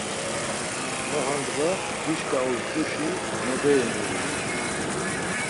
Ma handğa dişkaş ozduşi noderi miğun.